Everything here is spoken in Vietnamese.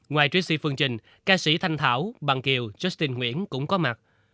ngoài tracy phương trình ca sĩ thanh thảo bạn kiều justin nguyễn cũng có mặt